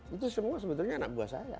itu semua sebetulnya anak buah saya